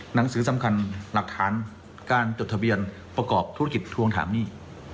หนังสือสำคัญหลักฐานการจดทะเบียนประกอบธุรกิจทวงถามหนี้